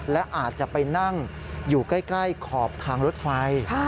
และอาจจะไปนั่งอยู่ใกล้ขอบทางรถไฟ